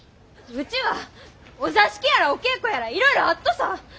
うちはお座敷やらお稽古やらいろいろあっとさ。